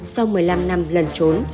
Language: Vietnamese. sau một mươi năm năm lần trốn